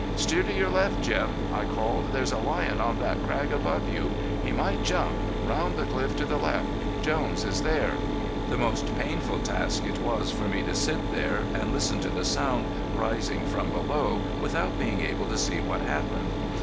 "Steer to your left Jim!" I called.. "There's a lion on that crag above you. He might jump. Round the cliff to the left Jones is there!" The most painful task it was for me to sit there and listen to the sound rising from below without being able to see what happened.